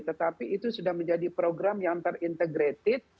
tetapi itu sudah menjadi program yang terintegrated